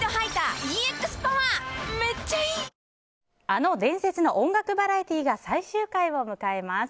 あの伝説の音楽バラエティーが最終回を迎えます。